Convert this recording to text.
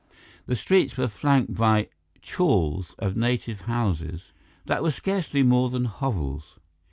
The streets were flanked by chawls or native houses that were scarcely more than hovels.